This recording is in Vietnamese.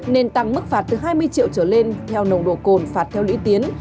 nên tăng mức phạt từ hai mươi triệu trở lên theo nồng độ cồn phạt theo lũy tiến